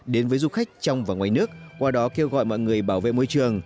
đến với du khách trong và ngoài nước qua đó kêu gọi mọi người bảo vệ môi trường